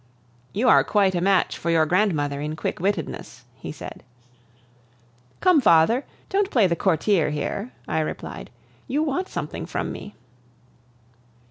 "You are quite a match for your grandmother in quick wittedness," he said. "Come, father, don't play the courtier here," I replied; "you want something from me."